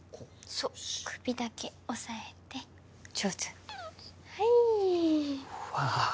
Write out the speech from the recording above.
そう首だけ押さえて上手はいうわ